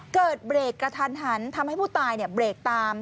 เกิดเบรกกระทันทำให้ผู้ตายเนี่ยเบรกตาม